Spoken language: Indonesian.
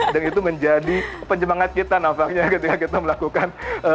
dan itu menjadi penjemangat kita nampaknya ketika kita melakukan